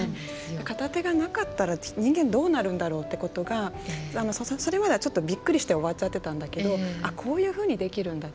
片手がなかったら人間どうなるんだろうってことがそれまではびっくりして終わっちゃってたんだけどこういうふうにできるんだって